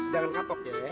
jangan kapok ya